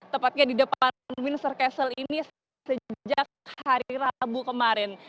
tepatnya di depan windsor castle ini sejak hari rabu kemarin